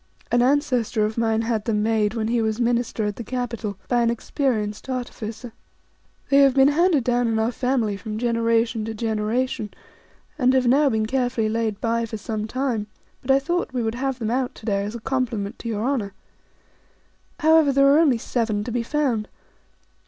An ancestor of mine had them made, when he was a minister at the capital, by an experienced artificer. They have been handed down in our family from generation to generation, and have now been carefully laid by for some time ; but I thought we would have them out to day as a compliment to your Honour. However, there are only seven to be found.